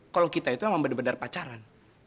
kalau kita itu memang benar benar pacaran